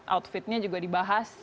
outfitnya juga dibahas